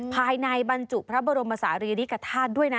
ภายในบรรจุพระบรมศาลีริกฐาตุด้วยนะ